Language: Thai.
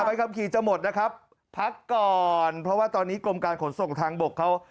ใบขับขี่จะหมดนะครับพักก่อนเพราะว่าตอนนี้กรมการขนส่งทางบกเขา